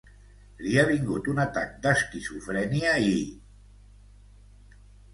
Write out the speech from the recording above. Li ha vingut un atac d'esquizofrènia i...